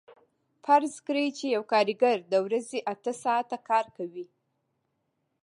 فرض کړئ چې یو کارګر د ورځې اته ساعته کار کوي